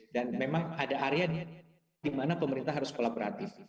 dan memang ada area di mana pemerintah harus kolaboratif